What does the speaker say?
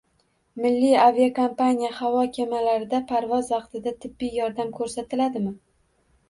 Milliy aviakompaniya havo kemalarida parvoz vaqtida tibbiy yordam ko‘rsatiladimi?